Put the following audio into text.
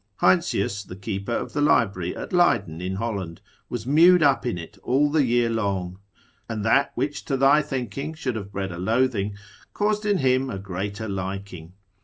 Heinsius, the keeper of the library at Leyden in Holland, was mewed up in it all the year long: and that which to thy thinking should have bred a loathing, caused in him a greater liking.